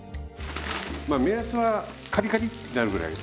まあ目安はカリカリってなるぐらい。